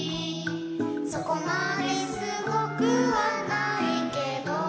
「そこまですごくはないけど」